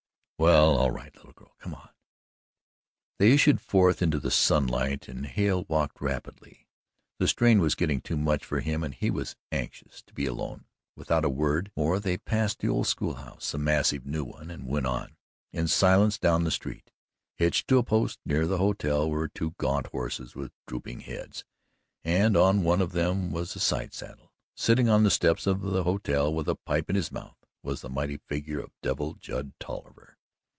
"Well, it's all right, little girl. Come on." They issued forth into the sunlight and Hale walked rapidly. The strain was getting too much for him and he was anxious to be alone. Without a word more they passed the old school house, the massive new one, and went on, in silence, down the street. Hitched to a post, near the hotel, were two gaunt horses with drooping heads, and on one of them was a side saddle. Sitting on the steps of the hotel, with a pipe in his mouth, was the mighty figure of Devil Judd Tolliver.